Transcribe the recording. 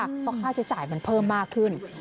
เพราะค่าใช้จ่ายมันเพิ่มมากขึ้น